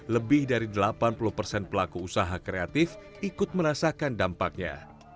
lebih dari delapan puluh persen pelaku usaha kreatif ikut merasakan dampaknya